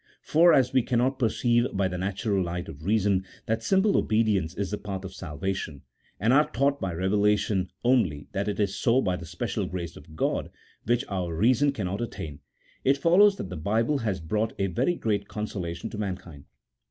For as we cannot perceive by the natural light of reason that simple obedience is the path of salvation, 1 and are taught by reve lation only that it is so by the special grace of God, which our reason cannot attain, it follows that the Bible has. 1 See !N T ote 25. CHAP. XV.] THEOLOGY NOT SUBSERVIENT TO REASON. 199 brought a very great consolation to mankind.